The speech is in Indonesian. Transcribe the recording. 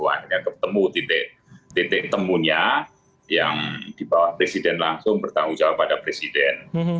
akhirnya ketemu titik temunya yang di bawah presiden langsung bertanggung jawab pada presiden